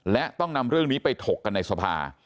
และต้องนำเรื่องนี้ไปถกกันในสภา